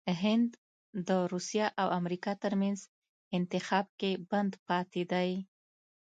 هند دروسیه او امریکا ترمنځ انتخاب کې بند پاتې دی😱